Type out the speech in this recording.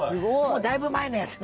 もうだいぶ前のやつ。